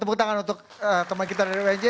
tepuk tangan untuk teman kita dari unj